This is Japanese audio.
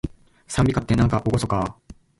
讃美歌って、なんかおごそかー